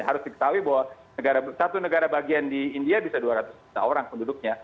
harus diketahui bahwa satu negara bagian di india bisa dua ratus juta orang penduduknya